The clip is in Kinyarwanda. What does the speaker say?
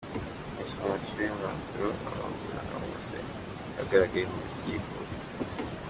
Mu isomwa ry’uyu mwanzuro, ababurana bose ntibagaragaye mu rukiko.